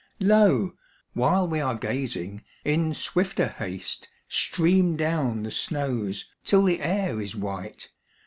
Lo ! while we are gazing, in swiften* haste Stream down the snows, till tlu^ air is white.